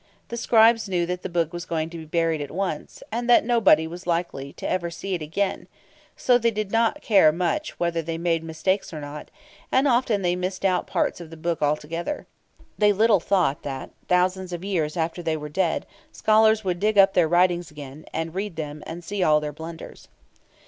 The scribes knew that the book was going to be buried at once, and that nobody was likely ever to see it again; so they did not care much whether they made mistakes or not, and often they missed out parts of the book altogether. They little thought that, thousands of years after they were dead, scholars would dig up their writings again, and read them, and see all their blunders.